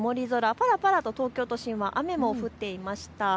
ぱらぱらと東京都心は雨も降っていました。